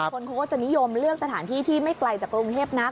คนเขาก็จะนิยมเลือกสถานที่ที่ไม่ไกลจากกรุงเทพนัก